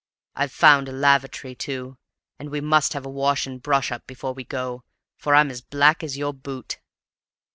I've found a lavatory, too, and we must have a wash and brush up before we go, for I'm as black as your boot."